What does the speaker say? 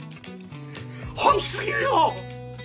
本気過ぎるよ！